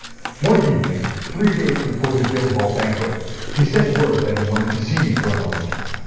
One evening, three days before the Guildhall Banquet, he sent word that he wanted to see me for a moment.